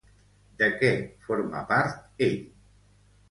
De què forma part ell?